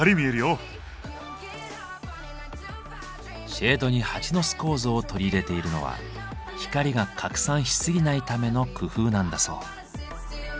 シェードにハチの巣構造を取り入れているのは光が拡散しすぎないための工夫なんだそう。